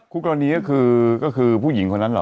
คู่กรณีก็คือผู้หญิงคนนั้นเหรอ